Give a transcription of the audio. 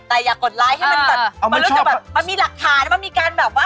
แต่อย่ากดไลค์ให้มันแบบมันรู้สึกแบบมันมีหลักฐานมันมีการแบบว่า